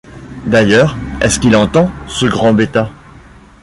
D’ailleurs est-ce qu’il entend, ce grand bêta?